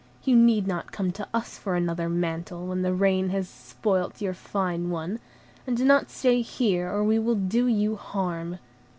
You need not come to us for another mantle, when the rain has spoilt your fine one; and do not stay here, or we will do you harm."